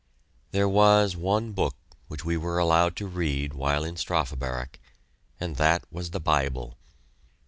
There was one book which we were allowed to read while in Strafe Barrack, and that was the Bible.